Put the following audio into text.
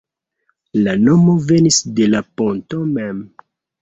La nomo venis de la ponto mem.